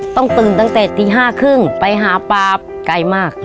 ต้องตื่นตั้งแต่ตีห้าครึ่งไปหาปาไกลมาก